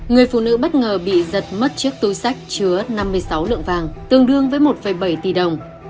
người phụ nữ bất ngờ bị giật mất chiếc túi sách chứa năm mươi sáu lượng vàng tương đương với một bảy tỷ đồng